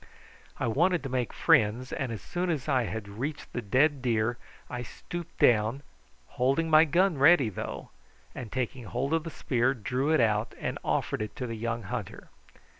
I wanted to make friends, and as soon as I reached the dead deer I stooped down, holding my gun ready though, and taking hold of the spear, drew it out and offered it to the young hunter.